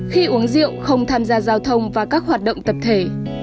khi uống rượu không tham gia giao thông và các hoạt động tập thể